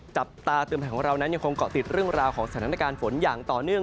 จับตาเตือนภัยของเรานั้นยังคงเกาะติดเรื่องราวของสถานการณ์ฝนอย่างต่อเนื่อง